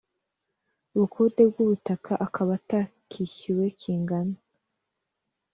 ubukode bw ubutaka akaba atakishyuwe kingana